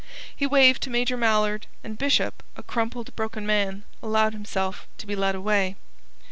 He waved to Major Mallard, and Bishop, a crumpled, broken man, allowed himself to be led away.